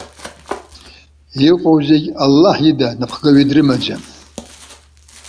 Иҟоу зегьы Аллаҳ ида напхгаҩы дрымаӡам.